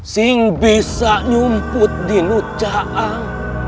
sing bisa nyumput di nuh ca'ang